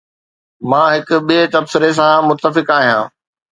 مان هڪ ٻئي تبصري سان متفق آهيان